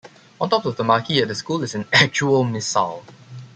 On top of the marquee at the school is an actual missile.